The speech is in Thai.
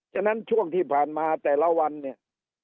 ฉะนั้นช่วงที่ผ่านมาแต่ละวันเนี่ย